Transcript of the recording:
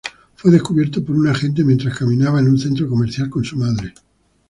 Fue descubierto por un agente mientras caminaba en un centro comercial con su madre.